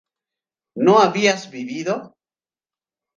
no habías vivido